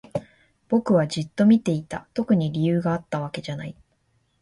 僕はじっと見ていた。特に理由があったわけじゃない。